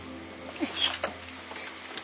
よいしょ。